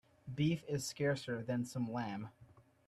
Beef is scarcer than some lamb.